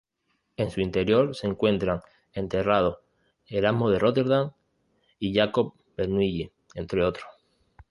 En su interior se encuentran enterrados Erasmo de Róterdam y Jakob Bernoulli, entre otros.